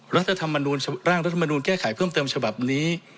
รัฐธรรมร่างรัฐมนูลแก้ไขเพิ่มเติมฉบับนี้